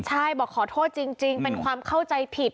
ใช่บอกขอโทษจริงเป็นความเข้าใจผิด